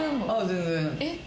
全然。